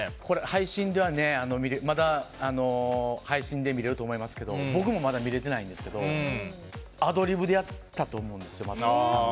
これ、配信ではまだ見れると思いますけど僕もまだ見れてないんですけどアドリブでやったと思うんですよ